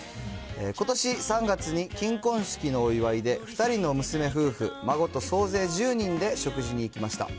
ことし３月に金婚式のお祝いで、２人の娘夫婦、孫と総勢１０人で食事に行きました。